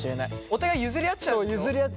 お互い譲り合っちゃうんでしょ？